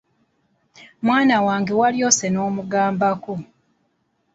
Mwana wange walyose n'omugambako!